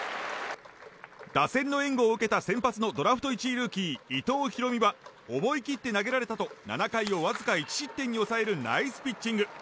打線の援護を受けた先発のドラフト１位ルーキー伊藤大海は思い切って投げられたと７回をわずか１失点に抑えるナイスピッチング。